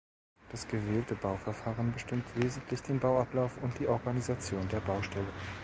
Das gewählte Bauverfahren bestimmt wesentlich den Bauablauf und die Organisation der Baustelle.